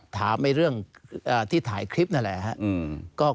ถามเรื่องที่ถ่ายคลิปนั่นแหละครับ